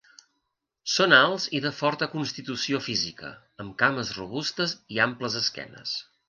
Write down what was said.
Són alts i de forta constitució física, amb cames robustes i amples esquenes.